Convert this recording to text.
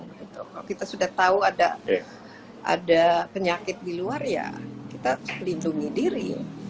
kalau kita sudah tahu ada penyakit di luar ya kita lindungi diri